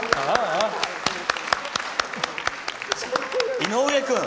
井上君！